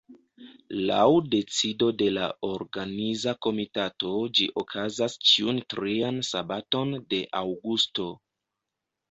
Laŭ decido de la Organiza Komitato ĝi okazas ĉiun trian sabaton de aŭgusto.